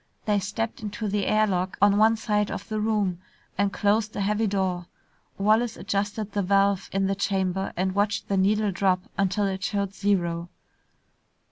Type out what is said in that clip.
They stepped into the air lock on one side of the room and closed a heavy door. Wallace adjusted the valve in the chamber and watched the needle drop until it showed zero.